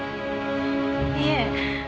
いえ。